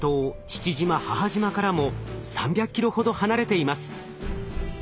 父島母島からも３００ｋｍほど離れています。